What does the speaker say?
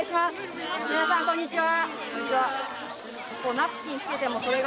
皆さんこんにちは。